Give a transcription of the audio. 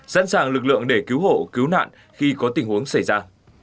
sẵn sàng lực lượng để cứu hộ cứu nạn khi có tình huống xảy ra